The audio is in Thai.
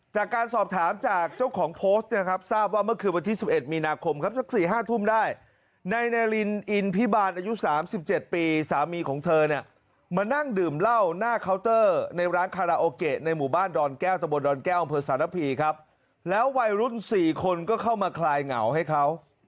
จากการสอบถามจากเจ้าของโพสต์นะครับทราบว่าเมื่อคืนวันที่๑๑มีนาคมครับสัก๔๕ทุ่มได้ในนารินอินพิบาลอายุ๓๗ปีสามีของเธอเนี่ยมานั่งดื่มเหล้าหน้าเคาน์เตอร์ในร้านคาราโอเกะในหมู่บ้านดอนแก้วตะบนดอนแก้วอำเภอสารพีครับแล้ววัยรุ่น๔คนก็เข้ามาคลายเหงาให้เขา